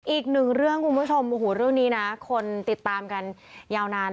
อีกหนึ่งเรื่องคุณผู้ชมร่วมนี้คนติดตามกันยาวนาน